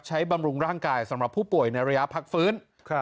บำรุงร่างกายสำหรับผู้ป่วยในระยะพักฟื้น